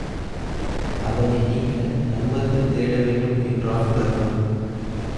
அதனை நீக்க நன்மருந்து தேட வேண்டும் என்றான் தருமன்.